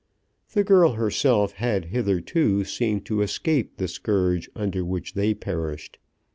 The girl herself had hitherto seemed to escape the scourge under which they perished.